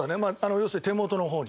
要するに、手元の方に。